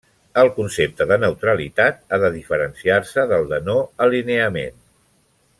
El concepte de neutralitat ha de diferenciar-se del de no-alineament.